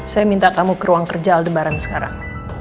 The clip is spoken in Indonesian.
saya minta kamu ke ruang kerja lebaran sekarang